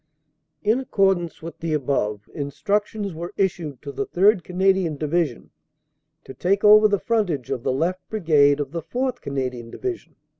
"In accordance with the above, instructions were issued to the 3rd. Canadian Division to take over the frontage of the left Brigade of the 4th. Canadian Division.